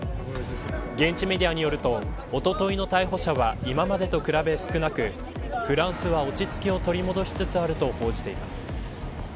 現地メディアによるとおとといの逮捕者は今までと比べ少なくフランスは、落ち着きを取り戻しつつあると報じています。